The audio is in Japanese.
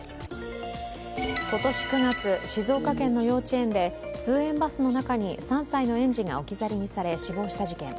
今年９月、静岡県の幼稚園で通園バスの中に３歳の園児が置き去りにされ死亡した事件。